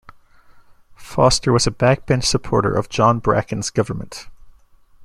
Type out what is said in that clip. Foster was a backbench supporter of John Bracken's government.